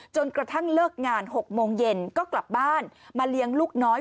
จนกระทั่งเลิกงาน๖โมงเย็นก็กลับบ้านมาเลี้ยงลูกน้อย